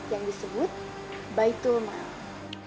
yang disebut baitul ma'am